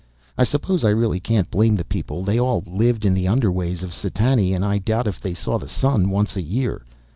I suppose I really can't blame the people, they all lived in the underways of Setani and I doubt if they saw the sun once a year.